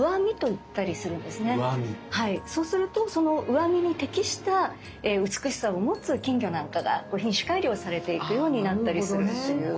そうするとその上見に適した美しさを持つ金魚なんかが品種改良されていくようになったりするっていう。